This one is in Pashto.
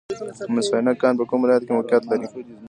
د مس عینک کان په کوم ولایت کې موقعیت لري؟